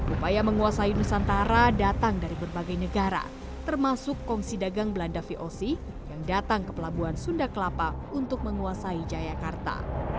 upaya menguasai nusantara datang dari berbagai negara termasuk komisi dagang belanda voc yang datang ke pelabuhan sunda kelapa untuk menguasai jayakarta